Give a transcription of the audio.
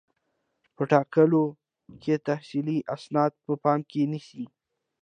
په ټاکلو کې تحصیلي اسناد په پام کې نیسي.